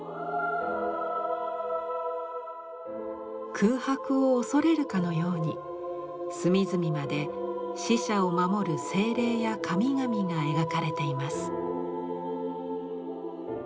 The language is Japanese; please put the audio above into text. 空白を恐れるかのように隅々まで死者を守る精霊や神々が描かれています。